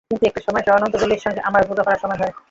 কিন্তু একটা সময় এসে অনন্ত জলিলের সঙ্গে আমার বোঝাপড়ার সমস্যা হয়।